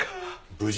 無事？